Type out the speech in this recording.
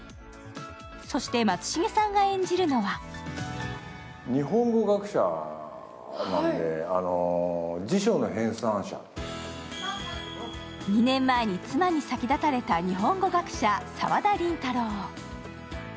そして、松重さんが演じるのは２年前に妻に先立たれた日本語学者・沢田林太郎。